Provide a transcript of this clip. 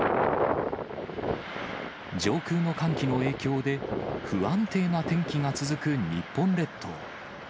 上空の寒気の影響で不安定な天気が続く日本列島。